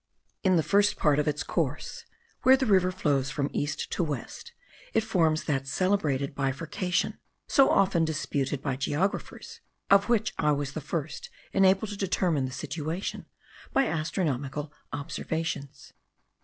In the first part of its course, where the river flows from east to west, it forms that celebrated bifurcation so often disputed by geographers, of which I was the first enabled to determine the situation by astronomical observations.